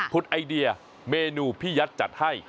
ไอเดียเมนูพี่ยัดจัดให้